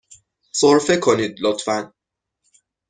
سرفه کنید، لطفاً.